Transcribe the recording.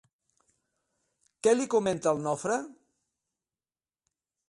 Què li comenta el Nofre?